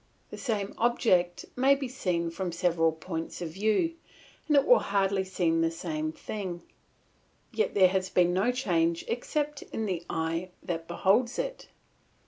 The same object may be seen from several points of view, and it will hardly seem the same thing, yet there has been no change except in the eye that beholds it.